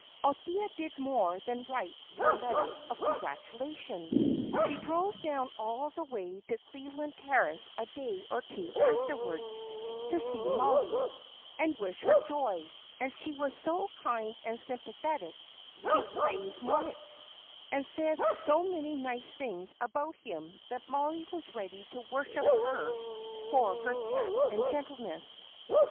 Althea did more than write her letter of congratulation. She drove down all the way to Cleveland Terrace a day or two afterwards, to see Mollie, and wish her joy; and she was so kind and sympathetic, she praised Moritz, and said so many nice things about him that Mollie was ready to worship her for her tact and gentleness.